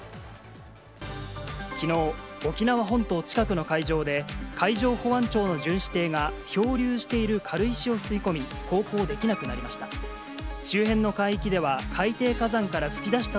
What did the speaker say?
きのう、沖縄本島近くの海上で、海上保安庁の巡視艇が漂流している軽石を吸い込み、航行できなくなりました。